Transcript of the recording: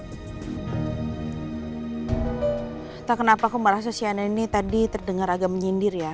entah kenapa aku marah sosial ini tadi terdengar agak menyindir ya